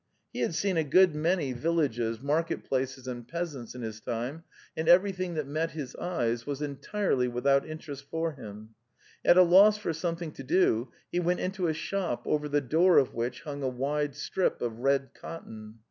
He had seen a good many 236 The Tales of Chekhov villages, market places, and peasants in his time, and everything that met his eyes was entirely without interest for him. At a loss for something to do, he went into a shop over the door of which hung a wide strip of red cotton.